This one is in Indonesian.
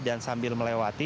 dan sambil melewati